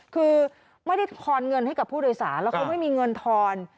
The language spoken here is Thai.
คือไม่ได้ทอนเงินให้กับผู้โดยสารแล้วเขาไม่มีเงินทอน